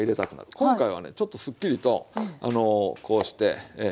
今回はねちょっとすっきりとこうして。